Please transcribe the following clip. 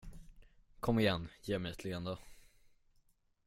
Kom igen, ge mig ett leende.